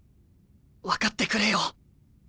分かってくれよ。